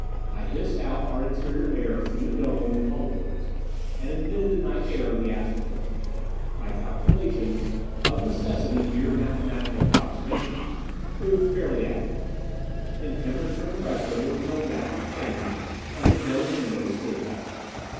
I hissed out our interior air through the dome and hull ports, and admitted the night air of the asteroid. My calculations of necessity mere mathematical approximations proved fairly accurate. In temperature and pressure there was no radical change as the dome windows slid back.